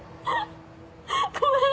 ごめん。